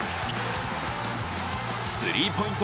スリーポイント